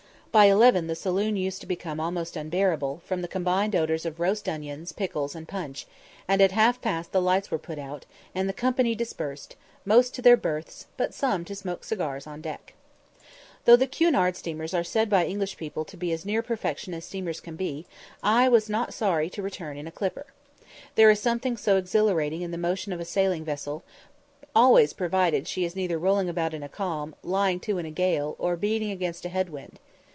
By eleven the saloon used to become almost unbearable, from the combined odours of roast onions, pickles, and punch, and at half past the lights were put out, and the company dispersed, most to their berths, but some to smoke cigars on deck. Though the Cunard steamers are said by English people to be as near perfection as steamers can be, I was sorry not to return in a clipper. There is something so exhilarating in the motion of a sailing vessel, always provided she is neither rolling about in a calm, lying to in a gale, or beating against a head wind.